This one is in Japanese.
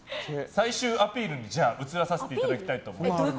最終アピールに移らさせていただきます。